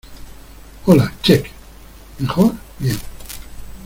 Hola. Check .¿ mejor? bien .